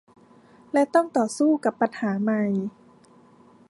และต้องต่อสู้กับปัญหาใหม่